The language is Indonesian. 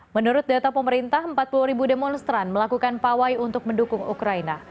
menurut data pemerintah empat puluh ribu demonstran melakukan pawai untuk mendukung ukraina